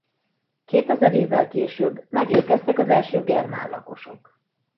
Kétezer évvel később megérkeztek az első germán lakosok.